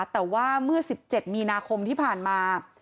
แต่ว่าเมื่อ๑๗มีนาคมที่ผ่านมา